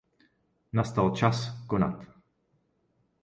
Nastal čas konat.